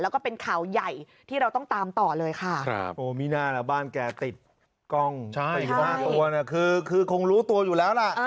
แล้วก็เป็นข่าวใหญ่ที่เราต้องตามต่อเลยค่ะครับโอ้มีน่าล่ะบ้านแกติดกล้อง๔๕ตัวนะคือคือคงรู้ตัวอยู่แล้วล่ะ